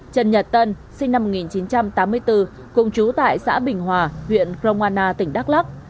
trần nhật tân sinh năm một nghìn chín trăm tám mươi bốn cùng chú tại xã bình hòa huyện croana tỉnh đắk lắc